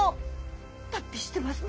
脱皮してますね！